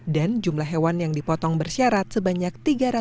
dan jumlah hewan yang dipotong bersyarat sebanyak tiga ratus dua puluh enam